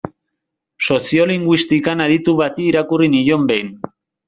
Soziolinguistikan aditu bati irakurri nion behin.